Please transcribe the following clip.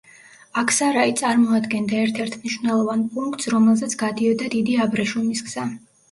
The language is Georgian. აქსარაი წარმოადგენდა ერთ-ერთ მნიშვნელოვან პუნქტს, რომელზეც გადიოდა დიდი აბრეშუმის გზა.